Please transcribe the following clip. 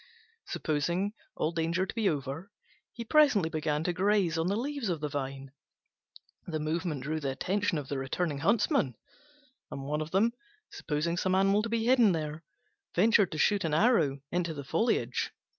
Supposing all danger to be over, he presently began to browse on the leaves of the Vine. The movement drew the attention of the returning huntsmen, and one of them, supposing some animal to be hidden there, shot an arrow at a venture into the foliage.